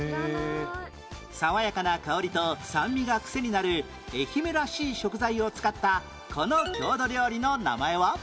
爽やかな香りと酸味がクセになる愛媛らしい食材を使ったこの郷土料理の名前は？